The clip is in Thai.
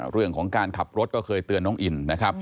เรื่องของการขับรถก็เคยเตือนน้องอินนะครับ